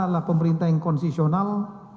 adalah pemerintah yang konsisional